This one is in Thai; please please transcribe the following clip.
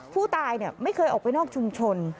ผู้ตายไม่เคยออกไปนอกชุมชน